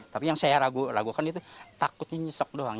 tapi yang saya ragukan itu takutnya nyesek doang